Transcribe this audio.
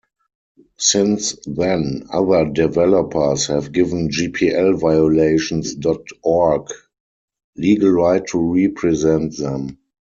Since then, other developers have given gpl-Violations dot org legal right to represent them.